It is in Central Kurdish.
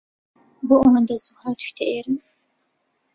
بۆ ئەوەندە زوو هاتوویتە ئێرە؟